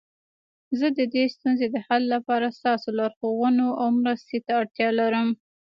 زه د دې ستونزې د حل لپاره ستاسو لارښوونو او مرستي ته اړتیا لرم